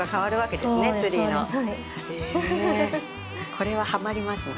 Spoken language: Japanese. これははまりますね。